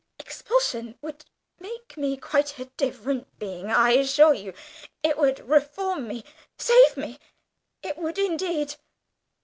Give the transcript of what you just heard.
Expulsion would make me quite a different being, I assure you; it would reform me save me it would indeed."